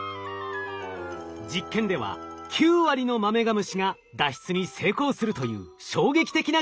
実験では９割のマメガムシが脱出に成功するという衝撃的な結果となりました。